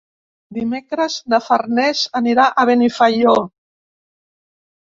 Dimecres na Farners anirà a Benifaió.